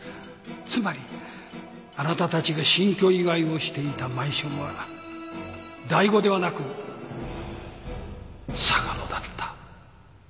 つまりあなたたちが新居祝いをしていたマンションは醍醐ではなく嵯峨野だった。